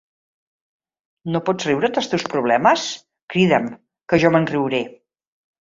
No pots riure't dels teus problemes? Crida'm, que jo me'n riuré.